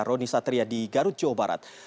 roni satria di garut jawa barat